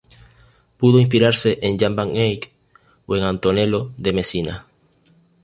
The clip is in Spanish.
Pudo inspirarse en Jan Van Eyck o en Antonello de Messina.